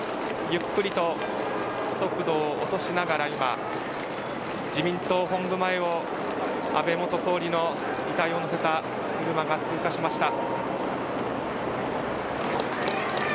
ゆっくりと速度を落としながら今自民党本部前を安倍元総理の遺体を乗せた車が通過しました。